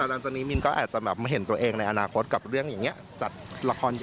ตอนนี้มิ้นก็อาจจะเห็นตัวเองในอนาคตกับเรื่องอย่างงี้จัดละครอย่างงี้